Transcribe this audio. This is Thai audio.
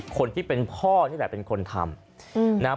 คนที่เป็นพ่อนี่แหละเป็นคนทำนะ